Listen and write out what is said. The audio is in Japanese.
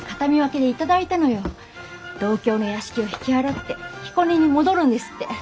東京の屋敷を引き払って彦根に戻るんですって。